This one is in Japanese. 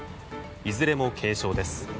いずれも軽傷です。